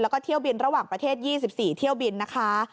แล้วก็เที่ยวบินระหว่างประเทศ๒๔เที่ยวบินนะคะ